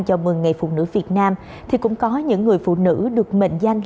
chào mừng ngày phụ nữ việt nam thì cũng có những người phụ nữ được mệnh danh